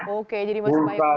oke jadi masih banyak yang